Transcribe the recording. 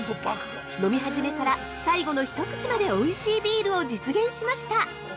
飲みはじめから最後の一口までおいしいビールを実現しました